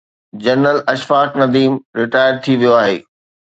General Ashfaq Nadeem retired ٿي ويو آهي.